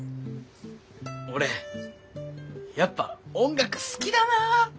俺やっぱ音楽好きだなあって。